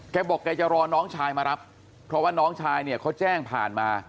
แกบอกแกจะรอน้องชายมารับเพราะว่าน้องชายเนี่ยเขาแจ้งผ่านมา